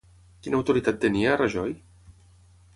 Quina autoritat tenia, Rajoy?